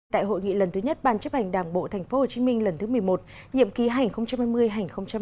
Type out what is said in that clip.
tại hội nghị lần thứ nhất bàn chấp hành đảng bộ tp hcm lần thứ một mươi một nhiệm ký hành hai mươi hai mươi năm